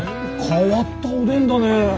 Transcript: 変わったおでんだね。